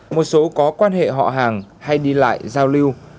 một số có quan hệ họ hàng hay đi lại giao lưu